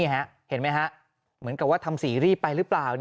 เห็นไหมฮะเหมือนกับว่าทำสีรีบไปหรือเปล่า